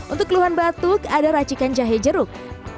untuk keluhan batuk ada racikan jahe jeruk